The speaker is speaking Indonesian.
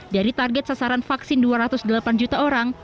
dari target sasaran vaksin dua ratus delapan juta orang